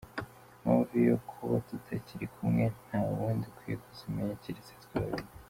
Impamvu yo kuba tutakiri kumwe nta wundi ukwiye kuzimenya, keretse twe babiri”.